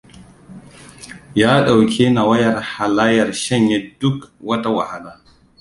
Ya ɗauki halayyar shanye duk wata wahala.